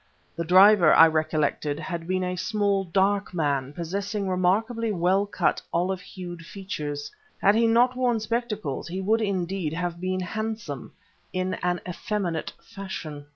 The driver, I recollected, had been a small, dark man, possessing remarkably well cut olive hued features. Had he not worn spectacles he would indeed have been handsome, in an effeminate fashion.